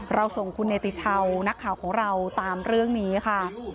เราส่งคุณเนติชาวนักข่าวของเราตามเรื่องนี้ค่ะ